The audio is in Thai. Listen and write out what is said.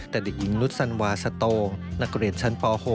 แต่เด็กหญิงนุษันวาสโตนักเรียนชั้นป๖